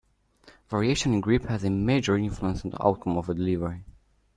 Variation in grip has a major influence on the outcome of a delivery.